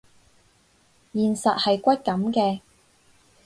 現實係骨感嘅